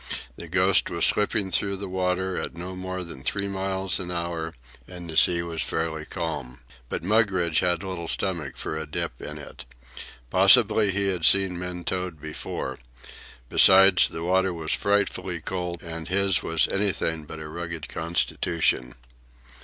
The Ghost was slipping through the water at no more than three miles an hour, and the sea was fairly calm. But Mugridge had little stomach for a dip in it. Possibly he had seen men towed before. Besides, the water was frightfully cold, and his was anything but a rugged constitution.